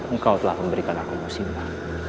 engkau telah memberikan aku cinta